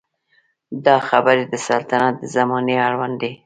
دا خبرې د سلطنت د زمانې اړوند دي.